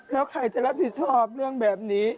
แล้วใครจะรับผิดชอบเรื่องแบบนี้